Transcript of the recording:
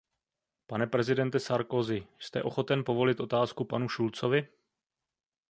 Pane prezidente Sarkozy, jste ochoten povolit otázku panu Schultzovi?